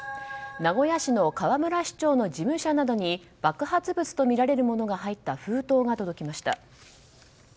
名古屋市の河村市長の事務所などに爆発物とみられる物が入った封筒が届きました。